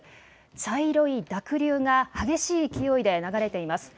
茶色い濁流が激しい勢いで流れています。